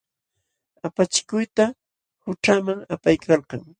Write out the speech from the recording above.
Apachikuyta qućhaman apaykalkan.